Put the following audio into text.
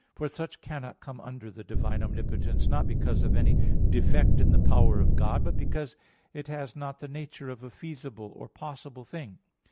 For such cannot come under the divine omnipotence, not because of any defect in the power of God, but because it has not the nature of a feasible or possible thing.